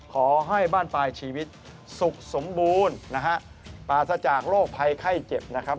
ขอให้บ้านปลายชีวิตสุขสมบูรณ์นะฮะปราศจากโรคภัยไข้เจ็บนะครับ